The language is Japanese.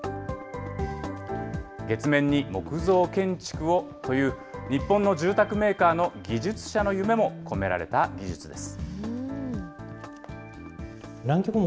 月面に木造建築をという日本の住宅メーカーの技術者の夢も込められた技術です。